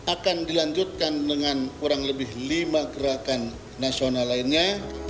akan dilanjutkan dengan kurang lebih lima gerakan nasional lainnya